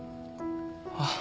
あっ。